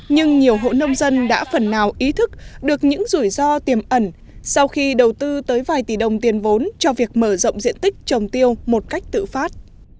nhưng nhiều hộ nông dân đã phần nào ý thức được những rủi ro tiềm ẩn sau khi đầu tư tới vài tỷ đồng tiền vốn cho việc mở rộng diện tích trồng tiêu một cách tự phát